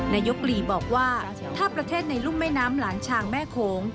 นายกหลีบอกว่าถ้าประเทศในรุ่มแม่น้ำหลานชางแม่โขง